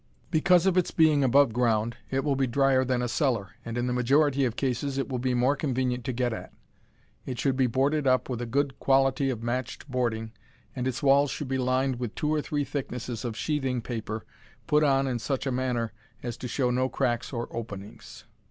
Because of its being above ground it will be drier than a cellar, and in the majority of cases it will be more convenient to get at. It should be boarded up with a good quality of matched boarding, and its walls should be lined with two or three thicknesses of sheathing paper put on in such a manner as to show no cracks or openings.